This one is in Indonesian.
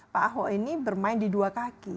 pak ahok ini bermain di dua kaki